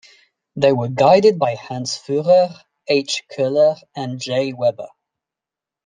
They were guided by Hans Fuhrer, H. Kohler and J. Weber.